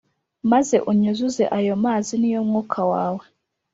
Maze unyuzuze ayomazi niyo mwuka wawe